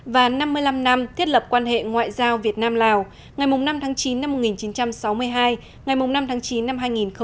và năm mươi năm năm thiết lập quan hệ ngoại giao việt nam lào ngày năm tháng chín năm một nghìn chín trăm sáu mươi hai ngày năm tháng chín năm hai nghìn hai mươi